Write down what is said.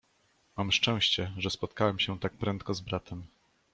"Mam szczęście, że spotkałem się tak prędko z bratem."